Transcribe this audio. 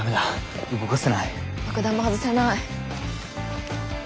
爆弾も外せない。